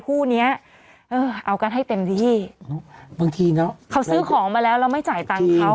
คู่เนี้ยเออเอากันให้เต็มที่บางทีเนอะเขาซื้อของมาแล้วแล้วไม่จ่ายตังค์เขา